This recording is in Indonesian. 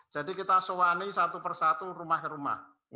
jadi kita sewani satu persatu rumah rumah